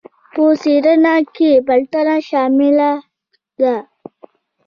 په څیړنه کې پلټنه شامله ده.